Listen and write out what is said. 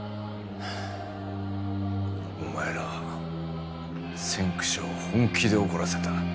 お前らは先駆者を本気で怒らせた。